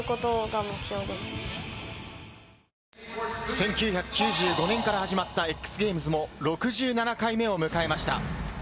１９９５年から始まったＸＧａｍｅｓも、６７回目を迎えました。